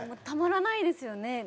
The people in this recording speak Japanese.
たまらないですよね。